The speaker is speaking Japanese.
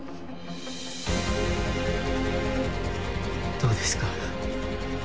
どうですか？